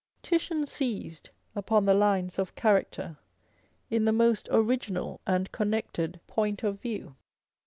Titian seized upon the lines of cha racter in the most original and connected point of view.